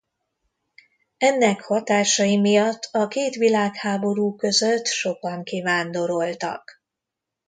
Ennek hatásai miatt a két világháború között sokan kivándoroltak.